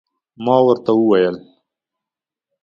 ما ورته وویل